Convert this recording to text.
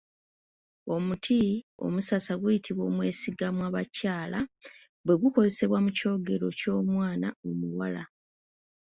Omuti omusasa guyitibwa omwesigamwabakyala bwegukozesebwa mu kyogero ky’omwana omuwala.